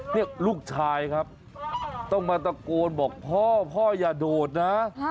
นี่ลูกชายครับต้องมาตะโกนบอกพ่อพ่ออย่าโดดนะ